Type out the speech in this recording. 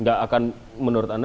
nggak akan menurut anda